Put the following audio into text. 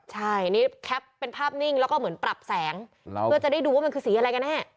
ใช่นี่แคปเป็นภาพนิ่งแล้วก็เหมือนปรับแสงเพื่อจะได้ดูว่ามันคือสีอะไรกันแน่